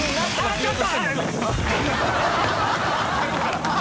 ちょっと！